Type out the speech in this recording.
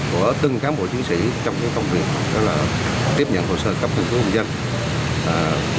của từng cán bộ chiến sĩ trong công việc đó là tiếp nhận hồ sơ cấp căn cước công dân